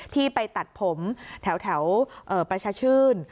ที่ไปตัดผมแถวประชาชื่น